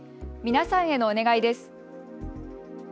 皆さんへのお願いです。